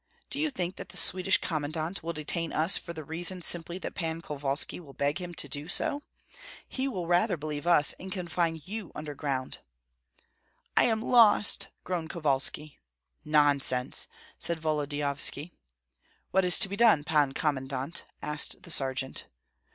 Do you think that the Swedish commandant will detain us for the reason simply that Pan Kovalski will beg him to do so? He will rather believe us, and confine you under ground." "I am lost!" groaned Kovalski. "Nonsense!" said Volodyovski. "What is to be done, Pan Commandant?" asked the sergeant.